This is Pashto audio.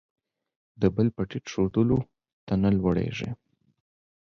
د بل په ټیټ ښودلو، ته نه لوړېږې.